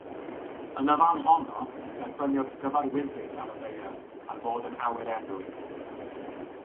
Yn y fan honno derbyniodd gyfarwyddyd ar y ddaear ar fod yn awyrennwr.